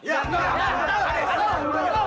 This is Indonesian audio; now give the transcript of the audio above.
apa itu apaan ini